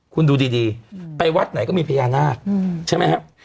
คุณดูดีไปวัดไหนก็มีพญานาคใช่ไหมครับ